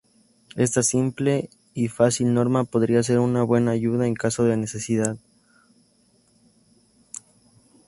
Esta simple y fácil norma podría ser una buena ayuda en caso de necesidad.